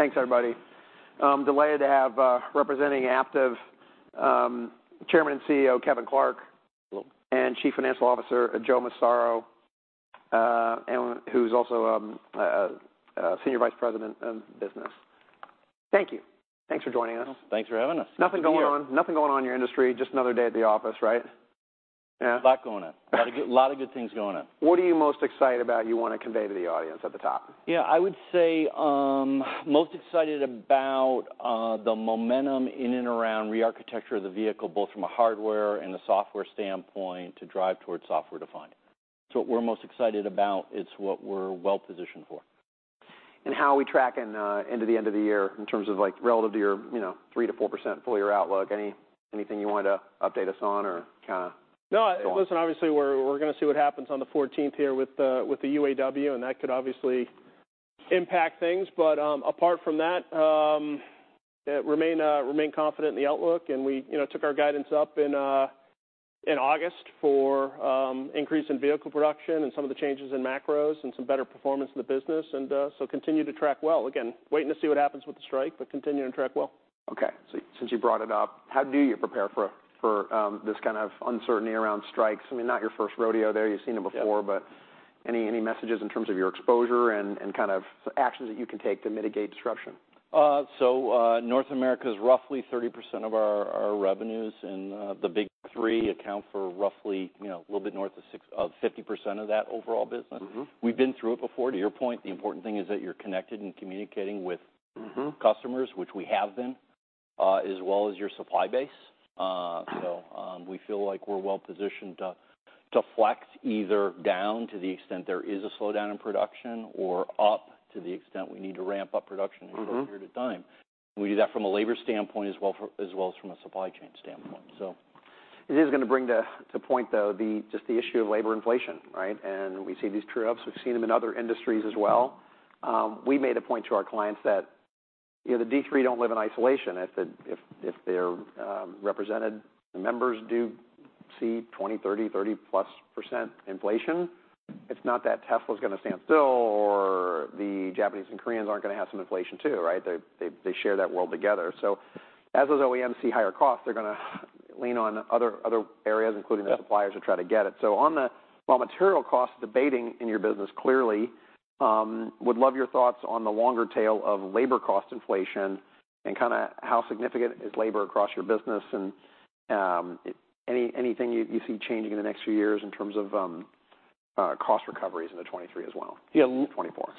Thanks, everybody. Delighted to have, representing Aptiv, Chairman and CEO, Kevin Clark- Hello. -and Chief Financial Officer, Joe Massaro, and who's also Senior Vice President of Business. Thank you. Thanks for joining us. Thanks for having us. Nothing going on in your industry. Just another day at the office, right? Yeah. A lot going on. A lot of good, lot of good things going on. What are you most excited about, you want to convey to the audience at the top? Yeah, I would say, most excited about, the momentum in and around rearchitecture of the vehicle, both from a hardware and a software standpoint, to drive towards software-defined. So what we're most excited about, it's what we're well-positioned for. How are we tracking into the end of the year in terms of, like, relative to your, you know, 3%-4% full-year outlook? Anything you wanted to update us on or, kind of- No, listen, obviously, we're, we're gonna see what happens on the fourteenth here with, with the UAW, and that could obviously impact things. But, apart from that, remain, remain confident in the outlook. And we, you know, took our guidance up in, in August for, increase in vehicle production and some of the changes in macros and some better performance in the business, and, so continue to track well. Again, waiting to see what happens with the strike, but continuing to track well. Okay. So since you brought it up, how do you prepare for this kind of uncertainty around strikes? I mean, not your first rodeo there. You've seen it before. Yeah. But any messages in terms of your exposure and kind of actions that you can take to mitigate disruption? North America is roughly 30% of our revenues, and the Big Three account for roughly, you know, a little bit north of 50% of that overall business. Mm-hmm. We've been through it before. To your point, the important thing is that you're connected and communicating with- Mm-hmm -customers, which we have been, as well as your supply base. So, we feel like we're well positioned to flex either down to the extent there is a slowdown in production or up to the extent we need to ramp up production- Mm-hmm over a period of time. We do that from a labor standpoint as well as from a supply chain standpoint, so. It is gonna bring to point, though, the just the issue of labor inflation, right? And we see these true ups. We've seen them in other industries as well. We made a point to our clients that, you know, the D3 don't live in isolation. If their represented members do see 20%, 30%, 30+% inflation, it's not that Tesla's gonna stand still or the Japanese and Koreans aren't gonna have some inflation, too, right? They share that world together. So as those OEMs see higher costs, they're gonna lean on other areas, including- Yeah -the suppliers, to try to get it. So on the raw material costs, debating in your business clearly, would love your thoughts on the longer tail of labor cost inflation and kind of how significant is labor across your business, and, anything you see changing in the next few years in terms of, cost recoveries into 2023 as well? Yeah. 2024.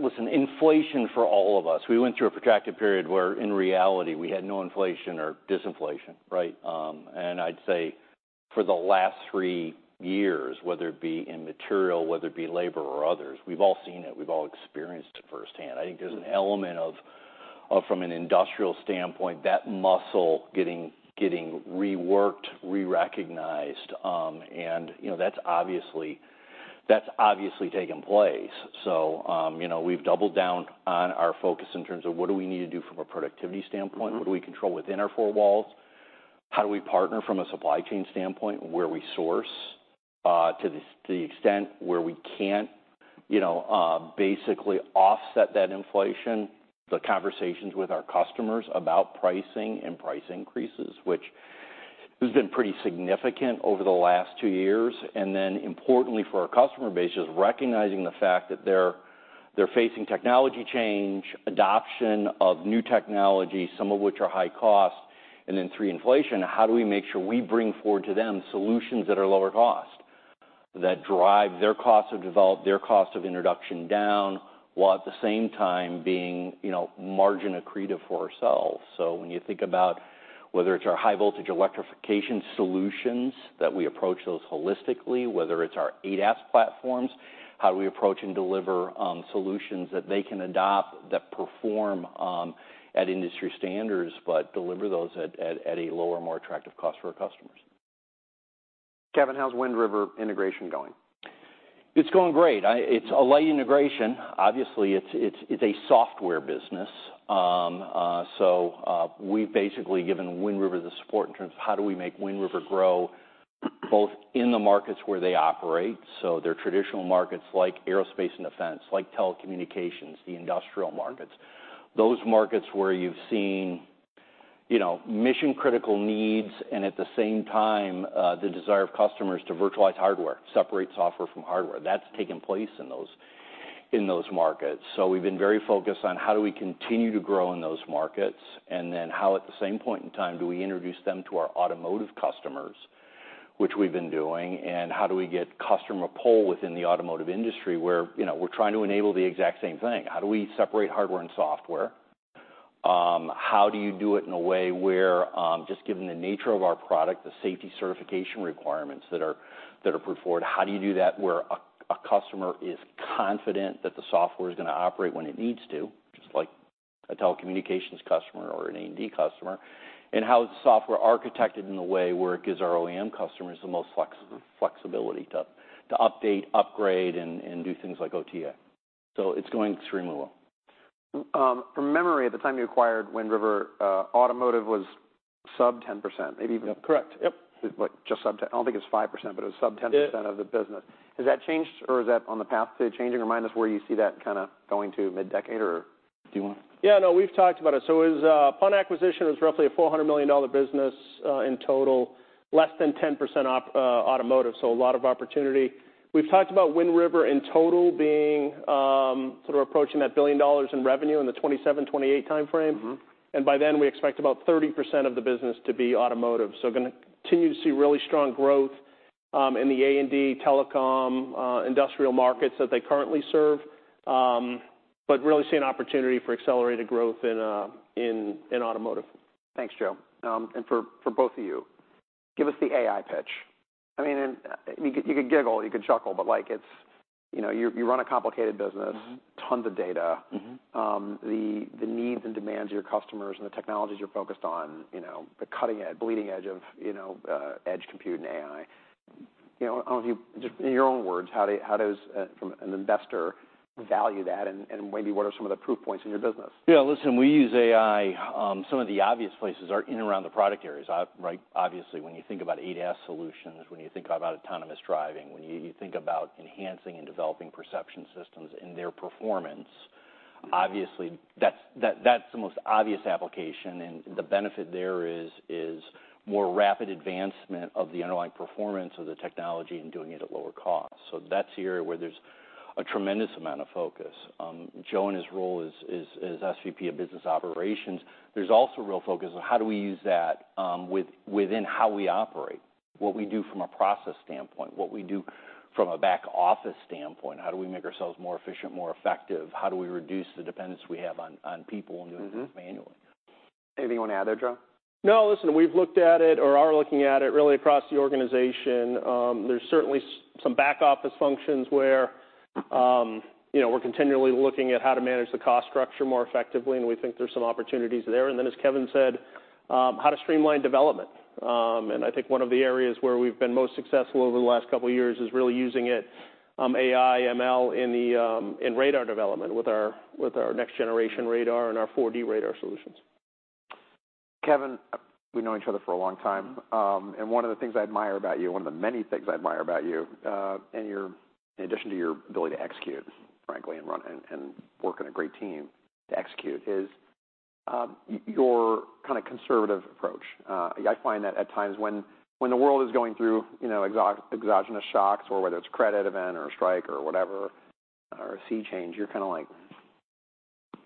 Listen, inflation for all of us, we went through a protracted period where, in reality, we had no inflation or disinflation, right? I'd say for the last three years, whether it be in material, whether it be labor or others, we've all seen it. We've all experienced it firsthand. I think there's an element of, from an industrial standpoint, that muscle getting reworked, re-recognized. You know, that's obviously taken place. So, you know, we've doubled down on our focus in terms of what do we need to do from a productivity standpoint. Mm-hmm. What do we control within our four walls? How do we partner from a supply chain standpoint, where we source, to the extent where we can't, you know, basically offset that inflation? The conversations with our customers about pricing and price increases, which has been pretty significant over the last two years, and then importantly, for our customer base, just recognizing the fact that they're facing technology change, adoption of new technology, some of which are high cost, and then three, inflation. How do we make sure we bring forward to them solutions that are lower cost, that drive their costs of develop, their costs of introduction down, while at the same time being, you know, margin accretive for ourselves? So when you think about whether it's our high voltage electrification solutions, that we approach those holistically, whether it's our ADAS platforms, how do we approach and deliver solutions that they can adopt, that perform at industry standards, but deliver those at a lower, more attractive cost for our customers? Kevin, how's Wind River integration going? It's going great. It's a light integration. Obviously, it's a software business. So, we've basically given Wind River the support in terms of how do we make Wind River grow, both in the markets where they operate, so their traditional markets, like aerospace and defense, like Telecommunications, the Industrial Markets. Mm-hmm. Those markets where you've seen, you know, mission-critical needs and, at the same time, the desire of customers to virtualize hardware, separate software from hardware. That's taken place in those, in those markets. So we've been very focused on how do we continue to grow in those markets, and then how, at the same point in time, do we introduce them to our automotive customers, which we've been doing, and how do we get customer pull within the automotive industry where, you know, we're trying to enable the exact same thing? How do we separate hardware and software? How do you do it in a way where, just given the nature of our product, the safety certification requirements that are put forward, how do you do that, where a customer is confident that the software is gonna operate when it needs to, just like a telecommunications customer or an A&D customer, and how is the software architected in a way where it gives our OEM customers the most flexibility to update, upgrade, and do things like OTA? So it's going extremely well. From memory, at the time you acquired Wind River, automotive was sub 10%, maybe even. Correct. Yep. Like, just sub 10%. I don't think it's 5%, but it was sub 10%- It- of the business. Has that changed, or is that on the path to changing, or remind us where you see that kind of going to mid-decade, or do you want- Yeah, no, we've talked about it. So, as upon acquisition, it was roughly a $400 million business, in total, less than 10% automotive, so a lot of opportunity. We've talked about Wind River in total being sort of approaching that $1 billion in revenue in the 2027-2028 timeframe. Mm-hmm. And by then, we expect about 30% of the business to be automotive. So we're gonna continue to see really strong growth in the A&D, Telecom, Industrial Markets that they currently serve. But really see an opportunity for accelerated growth in automotive. Thanks, Joe. And for both of you, give us the AI pitch. I mean, and you could giggle, you could chuckle, but like it's, you know, you run a complicated business. Mm-hmm. Tons of data. Mm-hmm. The needs and demands of your customers and the technologies you're focused on, you know, the cutting edge, bleeding edge of, you know, edge compute and AI. You know, you just in your own words, how does from an investor value that, and maybe what are some of the proof points in your business? Yeah, listen, we use AI, some of the obvious places are in and around the product areas. Right, obviously, when you think about ADAS solutions, when you think about autonomous driving, when you, you think about enhancing and developing perception systems and their performance, obviously, that's the most obvious application. And the benefit there is more rapid advancement of the underlying performance of the technology and doing it at lower cost. So that's the area where there's a tremendous amount of focus. Joe and his role as SVP of Business Operations, there's also a real focus on how do we use that, within how we operate, what we do from a process standpoint, what we do from a back office standpoint. How do we make ourselves more efficient, more effective? How do we reduce the dependence we have on people? Mm-hmm... and doing this manually? Anything you want to add there, Joe? No. Listen, we've looked at it or are looking at it really across the organization. There's certainly some back office functions where, you know, we're continually looking at how to manage the cost structure more effectively, and we think there's some opportunities there. And then, as Kevin said, how to streamline development. And I think one of the areas where we've been most successful over the last couple of years is really using it, AI, ML, in radar development with our next-generation radar and our 4D Radar solutions. Kevin, we've known each other for a long time. Mm-hmm. One of the things I admire about you, one of the many things I admire about you, and in addition to your ability to execute, frankly, and run and work on a great team to execute, is your kind of conservative approach. I find that at times when the world is going through, you know, exogenous shocks or whether it's a credit event or a strike or whatever, or a sea change, you're kind of like,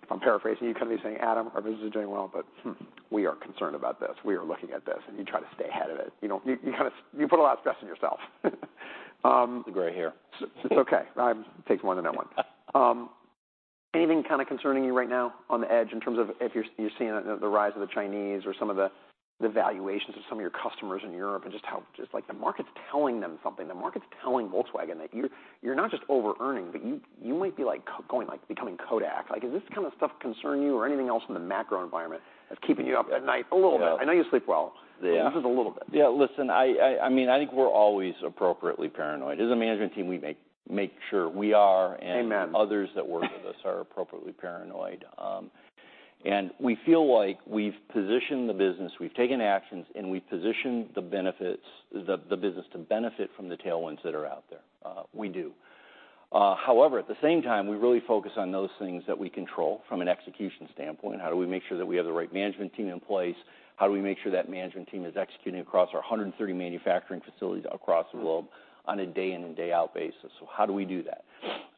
I'm paraphrasing, you come to me saying, "Adam, our business is doing well, but hmm, we are concerned about this. We are looking at this." And you try to stay ahead of it. You know, you kind of put a lot of stress on yourself. The gray hair. It's okay. I'm taking one more than I want. Anything kind of concerning you right now on the edge in terms of if you're seeing the rise of the Chinese or some of the valuations of some of your customers in Europe and just how, just like the market's telling them something, the market's telling Volkswagen that you're not just overearning, but you might be like going, like, becoming Kodak. Like, does this kind of stuff concern you or anything else in the macro environment that's keeping you up at night a little bit? Yeah. I know you sleep well. Yeah. Just a little bit. Yeah. Listen, I mean, I think we're always appropriately paranoid. As a management team, we make sure we are- Amen... and others that work with us are appropriately paranoid. And we feel like we've positioned the business, we've taken actions, and we've positioned the benefits, the, the business to benefit from the tailwinds that are out there. However, at the same time, we really focus on those things that we control from an execution standpoint. How do we make sure that we have the right management team in place? How do we make sure that management team is executing across our 130 manufacturing facilities across the globe? Mm-hmm... on a day in and day out basis? So how do we do that?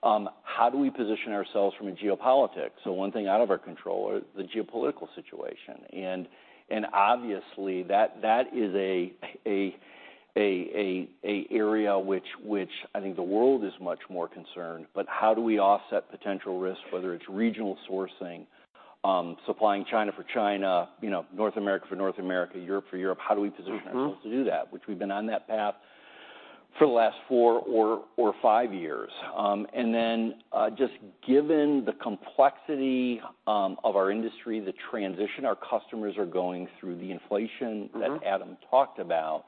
How do we position ourselves from a geopolitics? So one thing out of our control is the geopolitical situation. And obviously, that is an area which I think the world is much more concerned. But how do we offset potential risks, whether it's regional sourcing, supplying China for China, you know, North America for North America, Europe for Europe? How do we position ourselves- Mm-hmm... to do that? Which we've been on that path for the last four or five years. Just given the complexity of our industry, the transition our customers are going through, the inflation- Mm-hmm... that Adam talked about,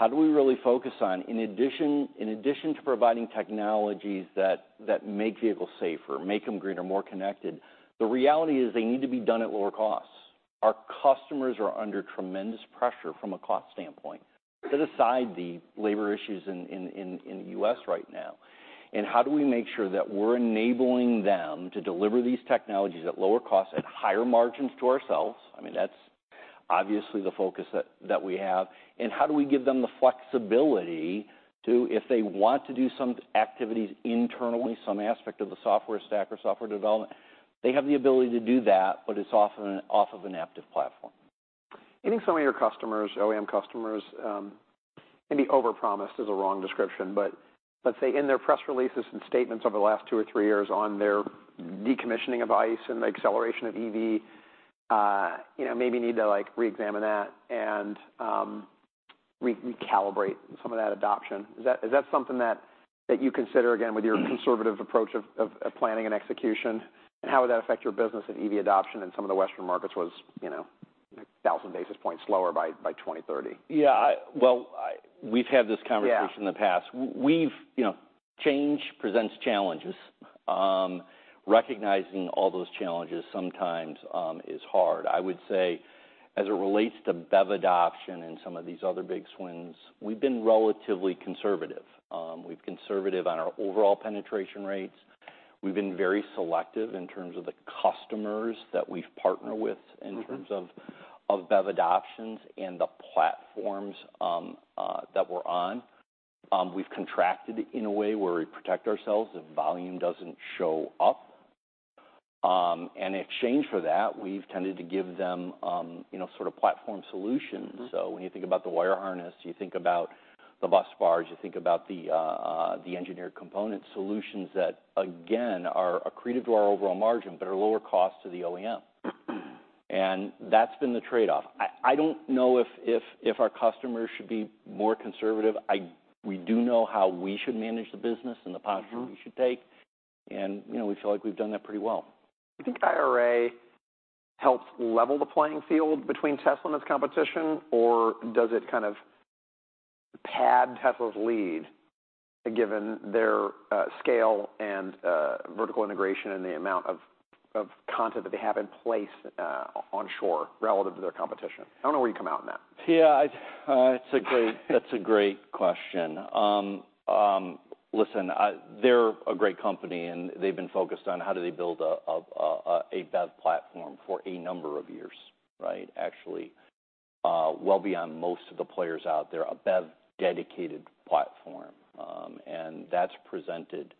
how do we really focus on, in addition to providing technologies that make vehicles safer, make them greener, more connected, the reality is they need to be done at lower costs. Our customers are under tremendous pressure from a cost standpoint, put aside the labor issues in the U.S. right now, and how do we make sure that we're enabling them to deliver these technologies at lower costs, at higher margins to ourselves? I mean, that's obviously the focus that we have. And how do we give them the flexibility to, if they want to do some activities internally, some aspect of the software stack or software development, they have the ability to do that, but it's often off of an Aptiv platform. Do you think some of your customers, OEM customers, maybe overpromised is a wrong description, but let's say in their press releases and statements over the last two or three years on their decommissioning of ICE and the acceleration of EV, you know, maybe need to, like, reexamine that and, recalibrate some of that adoption. Is that, is that something that, that you consider, again, with your-... conservative approach of, of, of planning and execution? And how would that affect your business if EV adoption in some of the Western markets was, you know, 1,000 basis points slower by, by 2030? Yeah, well, we've had this conversation- Yeah... in the past. We've, you know, change presents challenges. Recognizing all those challenges sometimes is hard. I would say, as it relates to BEV adoption and some of these other big swings, we've been relatively conservative. We've conservative on our overall penetration rates. We've been very selective in terms of the customers that we've partnered with- Mm-hmm. in terms of BEV adoptions and the platforms that we're on. We've contracted in a way where we protect ourselves if volume doesn't show up. And in exchange for that, we've tended to give them, you know, sort of platform solutions. Mm-hmm. So when you think about the wire harness, you think about the bus bars, you think about the engineered component solutions that, again, are accretive to our overall margin but are lower cost to the OEM. And that's been the trade-off. I don't know if our customers should be more conservative. We do know how we should manage the business and the posture- Mm-hmm... we should take, and, you know, we feel like we've done that pretty well. Do you think IRA helps level the playing field between Tesla and its competition, or does it kind of pad Tesla's lead, given their scale and vertical integration and the amount of content that they have in place onshore relative to their competition? I don't know where you come out on that. Yeah, it's a great, that's a great question. Listen, they're a great company, and they've been focused on how do they build a BEV platform for a number of years, right? Actually, well beyond most of the players out there, a BEV-dedicated platform, and that's presented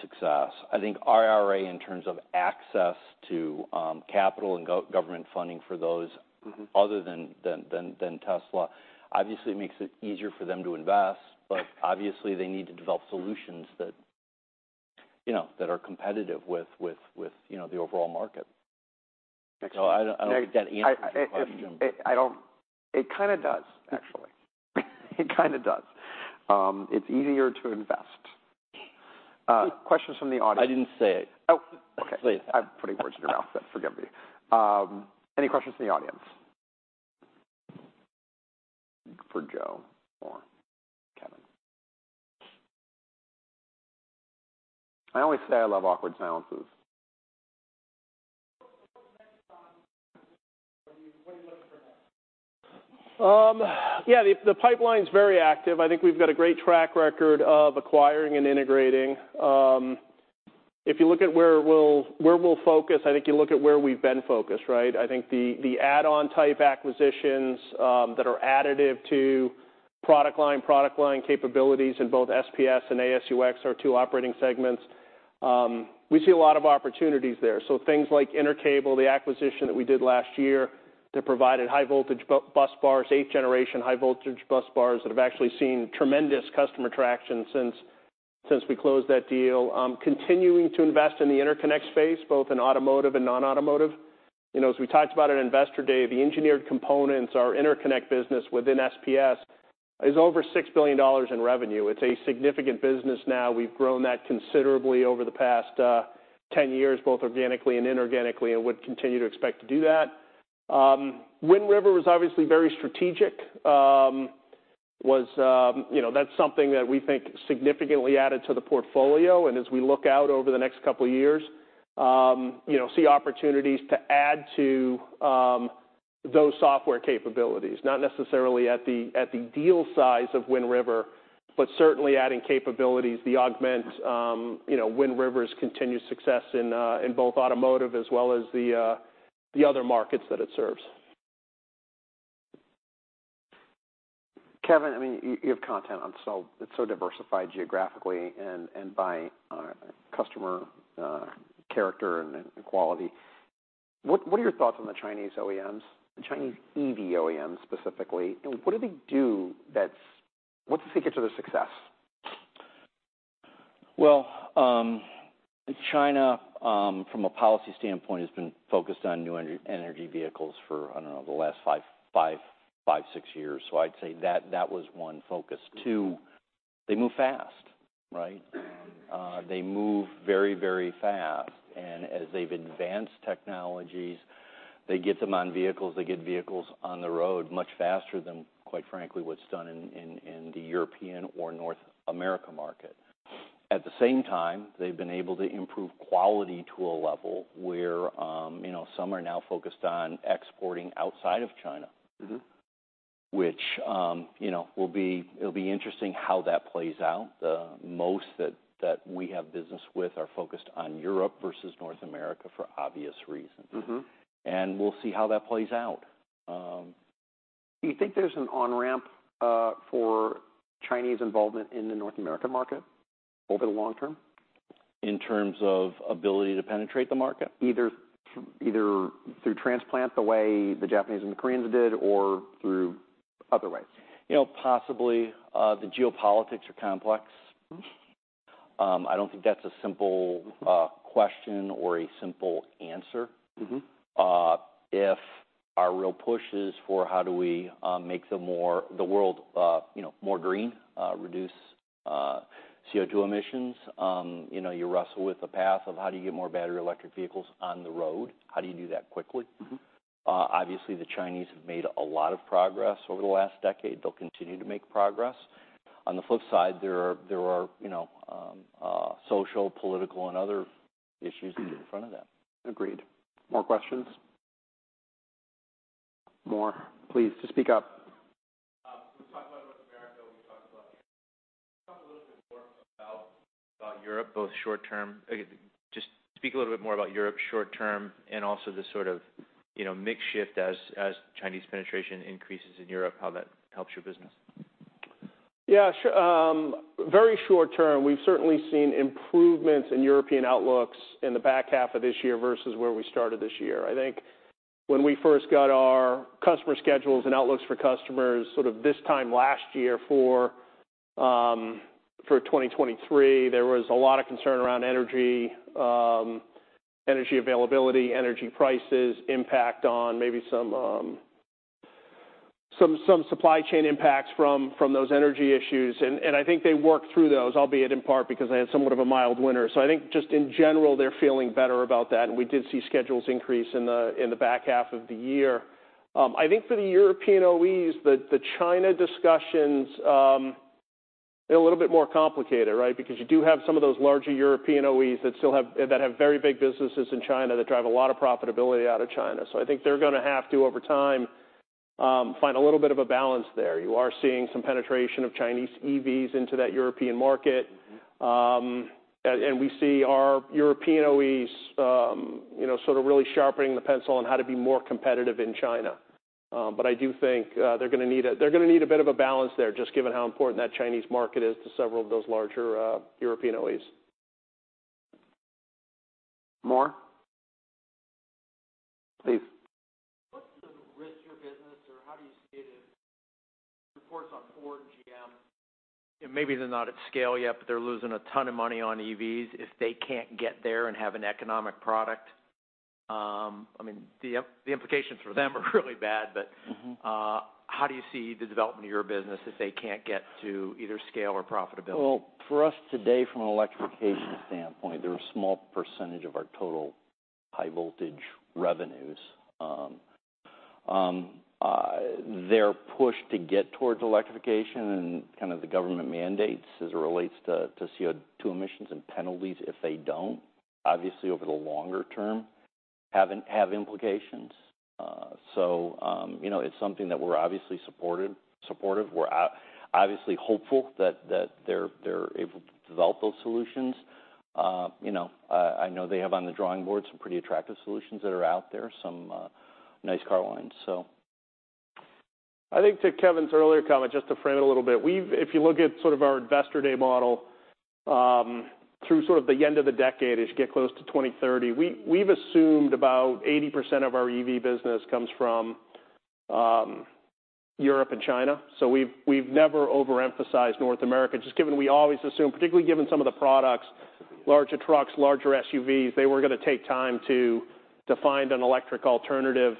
success. I think IRA, in terms of access to capital and government funding for those- Mm-hmm... other than Tesla, obviously makes it easier for them to invest, but obviously, they need to develop solutions that, you know, that are competitive with, you know, the overall market. Excellent. I don't think that answers the question. It kind of does, actually. It kind of does. It's easier to invest. Questions from the audience? I didn't say it. Oh, okay. Please. I'm putting words in your mouth then. Forgive me. Any questions in the audience? For Joe or Kevin? I always say I love awkward silences. What's next? What are you looking for next? Yeah, the pipeline's very active. I think we've got a great track record of acquiring and integrating. If you look at where we'll focus, I think you look at where we've been focused, right? I think the add-on type acquisitions that are additive to product line, product line capabilities in both SPS and AS&UX, our two operating segments, we see a lot of opportunities there. So things like Intercable, the acquisition that we did last year, that provided high-voltage bus bars, eighth generation high-voltage bus bars, that have actually seen tremendous customer traction since we closed that deal. Continuing to invest in the interconnect space, both in automotive and non-automotive. You know, as we talked about at Investor Day, the engineered components, our interconnect business within SPS is over $6 billion in revenue. It's a significant business now. We've grown that considerably over the past 10 years, both organically and inorganically, and would continue to expect to do that. Wind River was obviously very strategic. You know, that's something that we think significantly added to the portfolio, and as we look out over the next couple of years, you know, see opportunities to add to those software capabilities. Not necessarily at the deal size of Wind River, but certainly adding capabilities to augment, you know, Wind River's continued success in both automotive as well as the other markets that it serves. Kevin, I mean, you have content on so... It's so diversified geographically and by customer character and quality. What are your thoughts on the Chinese OEMs, the Chinese EV OEMs, specifically? What do they do that's— What's the secret to their success? Well, China, from a policy standpoint, has been focused on new energy vehicles for, I don't know, the last five, six years. So I'd say that was one focus. Two, they move fast, right? Mm-hmm. They move very, very fast, and as they've advanced technologies, they get them on vehicles, they get vehicles on the road much faster than, quite frankly, what's done in the European or North America market. At the same time, they've been able to improve quality to a level where, you know, some are now focused on exporting outside of China. Mm-hmm. Which, you know, will be, it'll be interesting how that plays out. The most that we have business with are focused on Europe versus North America, for obvious reasons. Mm-hmm. And we'll see how that plays out. Do you think there's an on-ramp, for Chinese involvement in the North American market over the long term? In terms of ability to penetrate the market? Either through transplant, the way the Japanese and the Koreans did, or through other ways. You know, possibly. The geopolitics are complex. Mm-hmm. I don't think that's a simple question or a simple answer. Mm-hmm. If our real push is for how do we make the world, you know, more green, reduce CO2 emissions, you know, you wrestle with the path of how do you get more battery electric vehicles on the road? How do you do that quickly? Mm-hmm. Obviously, the Chinese have made a lot of progress over the last decade. They'll continue to make progress. On the flip side, there are, you know, social, political, and other issues that get in front of that. Agreed. More questions?... More, please, just speak up. We talked about North America, we talked about Canada. Talk a little bit more about Europe, both short term—just speak a little bit more about Europe short term and also the sort of, you know, mix shift as Chinese penetration increases in Europe, how that helps your business. Yeah, sure. Very short term, we've certainly seen improvements in European outlooks in the back half of this year versus where we started this year. I think when we first got our customer schedules and outlooks for customers, sort of this time last year for 2023, there was a lot of concern around energy, energy availability, energy prices, impact on maybe some supply chain impacts from those energy issues, and I think they worked through those, albeit in part because they had somewhat of a mild winter. So I think just in general, they're feeling better about that, and we did see schedules increase in the back half of the year. I think for the European OEs, the China discussions, they're a little bit more complicated, right? Because you do have some of those larger European OEs that still have very big businesses in China, that drive a lot of profitability out of China. So I think they're gonna have to, over time, find a little bit of a balance there. You are seeing some penetration of Chinese EVs into that European market. And we see our European OEs, you know, sort of really sharpening the pencil on how to be more competitive in China. But I do think they're gonna need a bit of a balance there, just given how important that Chinese market is to several of those larger European OEs. More? Please. What's the risk your business, or how do you see it in reports on Ford and GM? Maybe they're not at scale yet, but they're losing a ton of money on EVs. If they can't get there and have an economic product, I mean, the implications for them are really bad, but- Mm-hmm... how do you see the development of your business if they can't get to either scale or profitability? Well, for us today, from an electrification standpoint, they're a small percentage of our total high-voltage revenues. Their push to get towards electrification and kind of the government mandates as it relates to CO2 emissions and penalties if they don't, obviously, over the longer term, have implications. So, you know, it's something that we're obviously supported, supportive. We're obviously hopeful that they're able to develop those solutions. You know, I know they have on the drawing board some pretty attractive solutions that are out there, some nice car lines, so. I think to Kevin's earlier comment, just to frame it a little bit, we've if you look at sort of our investor day model, through sort of the end of the decade, as you get close to 2030, we, we've assumed about 80% of our EV business comes from, Europe and China. So we've, we've never overemphasized North America, just given we always assume, particularly given some of the products, larger trucks, larger SUVs, they were gonna take time to, to find an electric alternative.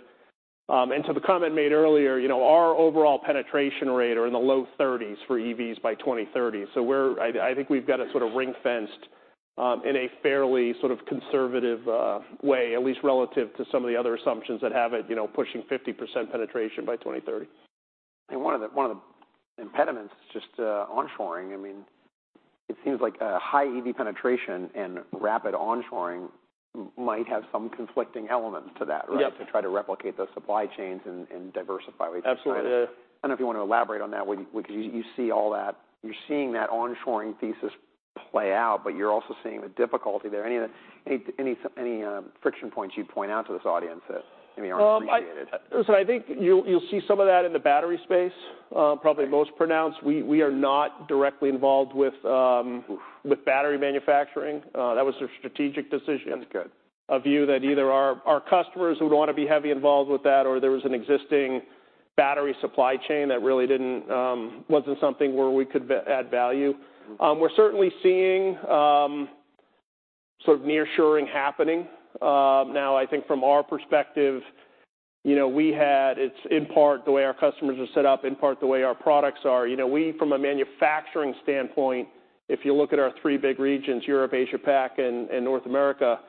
And to the comment made earlier, you know, our overall penetration rate are in the low 30s for EVs by 2030. I think we've got it sort of ring-fenced in a fairly sort of conservative way, at least relative to some of the other assumptions that have it, you know, pushing 50% penetration by 2030. And one of the impediments is just onshoring. I mean, it seems like high EV penetration and rapid onshoring might have some conflicting elements to that, right? Yep. To try to replicate those supply chains and diversify- Absolutely. I don't know if you want to elaborate on that, because you see all that. You're seeing that onshoring thesis play out, but you're also seeing the difficulty there. Any of the friction points you'd point out to this audience that maybe aren't appreciated? Listen, I think you'll see some of that in the battery space, probably most pronounced. Right. We are not directly involved with battery manufacturing. That was a strategic decision. That's good. A view that either our, our customers who'd want to be heavily involved with that, or there was an existing battery supply chain that really didn't wasn't something where we could add value. We're certainly seeing sort of nearshoring happening. Now, I think from our perspective, you know, we had... It's in part the way our customers are set up, in part the way our products are. You know, we, from a manufacturing standpoint, if you look at our three big regions, Europe, Asia Pac, and, and North America,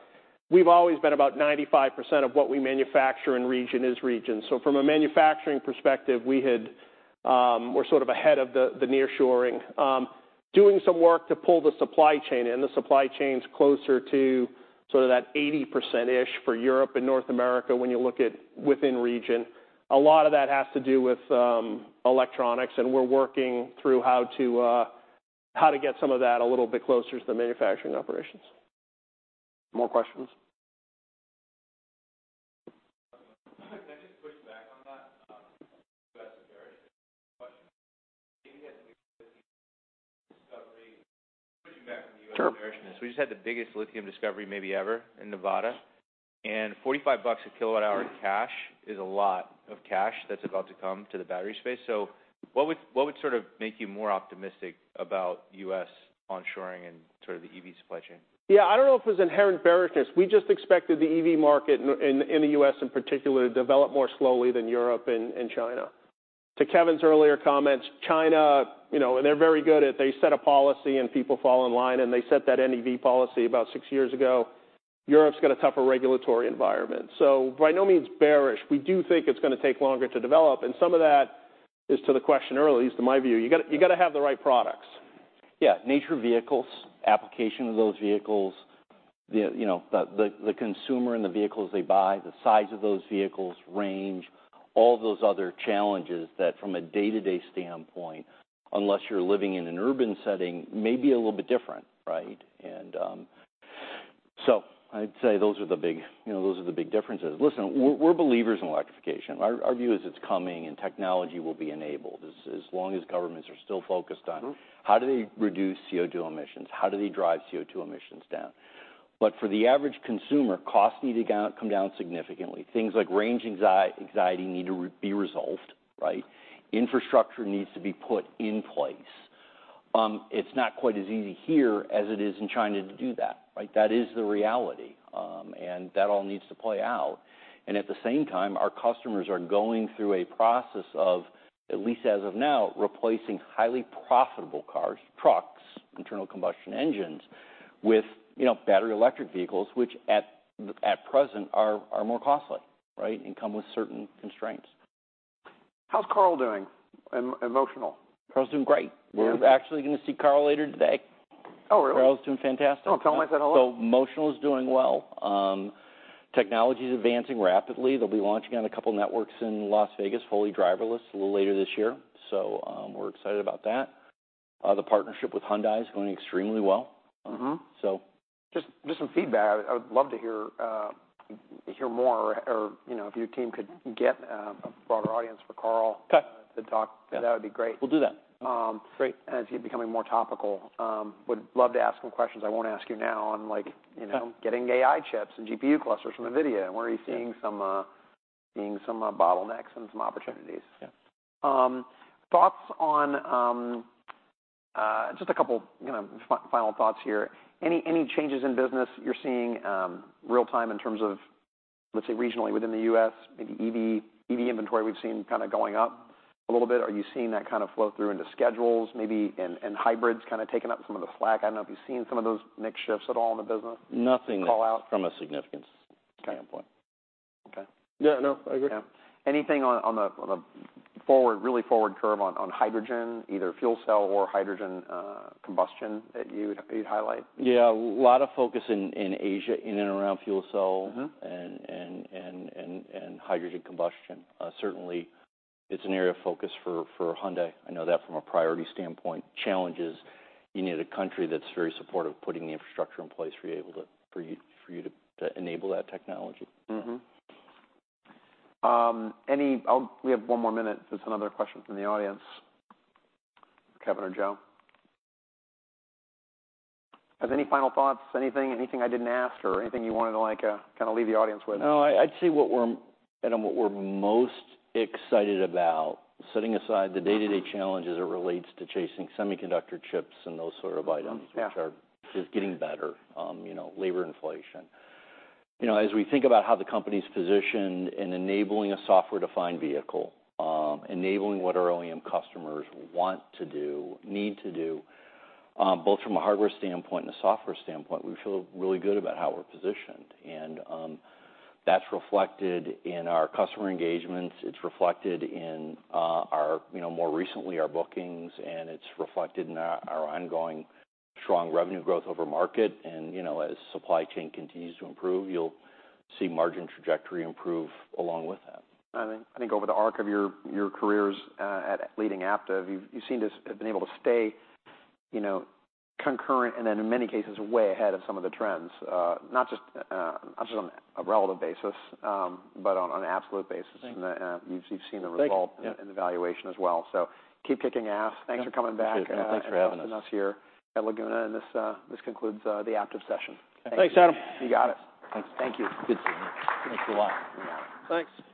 we've always been about 95% of what we manufacture in region is region. So from a manufacturing perspective, we had - we're sort of ahead of the, the nearshoring. Doing some work to pull the supply chain in. The supply chain's closer to sort of that 80%-ish for Europe and North America when you look at within region. A lot of that has to do with electronics, and we're working through how to get some of that a little bit closer to the manufacturing operations. More questions? Can I just push back on that? Question. Discovery- Sure. We just had the biggest lithium discovery maybe ever in Nevada, and $45/kWh in cash is a lot of cash that's about to come to the battery space. So what would, what would sort of make you more optimistic about U.S. onshoring and sort of the EV supply chain? Yeah, I don't know if it was inherent bearishness. We just expected the EV market, in the US in particular, to develop more slowly than Europe and China. To Kevin's earlier comments, China, you know, and they're very good at, they set a policy, and people fall in line, and they set that NEV policy about six years ago. Europe's got a tougher regulatory environment, so by no means bearish. We do think it's gonna take longer to develop, and some of that is to the question earlier, at least to my view, you gotta have the right products.... Yeah, nature of vehicles, application of those vehicles, the, you know, the consumer and the vehicles they buy, the size of those vehicles, range, all those other challenges that from a day-to-day standpoint, unless you're living in an urban setting, may be a little bit different, right? And, so I'd say those are the big, you know, those are the big differences. Listen, we're believers in electrification. Our view is it's coming, and technology will be enabled as long as governments are still focused on- Mm-hmm How do they reduce CO2 emissions? How do they drive CO2 emissions down? But for the average consumer, costs need to come down significantly. Things like range anxiety need to be resolved, right? Infrastructure needs to be put in place. It's not quite as easy here as it is in China to do that, right? That is the reality. And that all needs to play out. And at the same time, our customers are going through a process of, at least as of now, replacing highly profitable cars, trucks, internal combustion engines, with, you know, battery electric vehicles, which at present are more costly, right? And come with certain constraints. How's Karl doing at Motional? Karl's doing great. Yeah. We're actually gonna see Karl later today. Oh, really? Karl's doing fantastic. Oh, tell him I say hello. Motional is doing well. Technology is advancing rapidly. They'll be launching on a couple networks in Las Vegas, fully driverless, a little later this year, so we're excited about that. The partnership with Hyundai is going extremely well. Mm-hmm. So- Just some feedback. I would love to hear more, you know, if your team could get a broader audience for Karl- Okay -to talk, that would be great. We'll do that. Um- Great... as he's becoming more topical, would love to ask him questions I won't ask you now on like, you know- Sure getting AI chips and GPU clusters from NVIDIA. Yeah. Where are you seeing some bottlenecks and some opportunities? Yeah. Thoughts on just a couple, you know, final thoughts here. Any changes in business you're seeing real-time in terms of, let's say, regionally within the U.S., maybe EV? EV inventory, we've seen kind of going up a little bit. Are you seeing that kind of flow through into schedules, maybe, and hybrids kind of taking up some of the slack? I don't know if you've seen some of those mix shifts at all in the business- Nothing- -call out From a significance standpoint. Okay. Okay. Yeah, no, I agree. Yeah. Anything on the forward, really forward curve on hydrogen, either fuel cell or hydrogen combustion, that you would, you'd highlight? Yeah. A lot of focus in Asia, in and around fuel cell- Mm-hmm... and hydrogen combustion. Certainly it's an area of focus for Hyundai. I know that from a priority standpoint, challenge is you need a country that's very supportive of putting the infrastructure in place for you to enable that technology. Mm-hmm. Any... I'll—we have one more minute, if there's another question from the audience, Kevin or Joe. Any final thoughts, anything, anything I didn't ask or anything you wanted to like, kind of leave the audience with? No, I'd say what we're most excited about, Adam, setting aside the day-to-day challenge as it relates to chasing semiconductor chips and those sort of items- Yeah -which are, just getting better, you know, labor inflation. You know, as we think about how the company's positioned in enabling a software-defined vehicle, enabling what our OEM customers want to do, need to do, both from a hardware standpoint and a software standpoint, we feel really good about how we're positioned. And, that's reflected in our customer engagements. It's reflected in our, you know, more recently, our bookings, and it's reflected in our ongoing strong revenue growth over market. And, you know, as supply chain continues to improve, you'll see margin trajectory improve along with that. I think over the arc of your careers at leading Aptiv, you've seemed to have been able to stay, you know, current, and then in many cases, way ahead of some of the trends. Not just on a relative basis, but on an absolute basis. Thank you. You've seen the result- Thank you... and the valuation as well. So keep kicking ass. Thanks. Thanks for coming back. Thanks for having us. Us here at Laguna, and this concludes the Aptiv session. Thanks, Adam. You got it. Thanks. Thank you. Good seeing you. Thanks a lot. Yeah. Thanks.